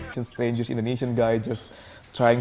seorang orang indonesia yang aneh aneh